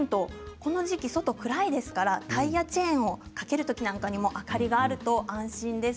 この時期、外暗いですからタイヤチェーンを掛けるときなんかにもあかりがあると安心です。